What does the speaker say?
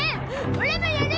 オラもやる！